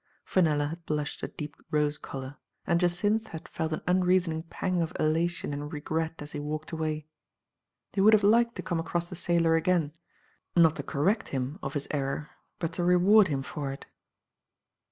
Fenella had blushed a deep rose color, and Jacynth had felt an unreasoning pang of elation and regret as he walked away. He would have liked to come across the sailor again, not to correct him of his error, but to reward him for it.